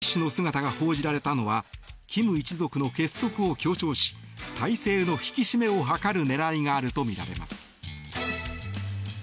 キム・ギョンヒ氏の姿が報じられたのは金一族の結束を強調し体制の引き締めを図る狙いがあるとみられます。